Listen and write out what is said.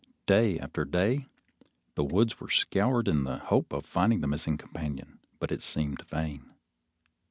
Day after day the woods were scoured in the hope of finding the missing companion, but it seemed vain.